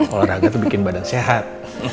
olahraga itu bikin badan sehat